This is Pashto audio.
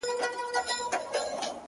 شپږ اووه شپې په ټول ښار کي وه جشنونه.!